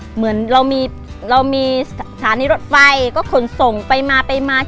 เหมือนเรามีเรามีสถานีรถไฟก็ขนส่งไปมาไปมา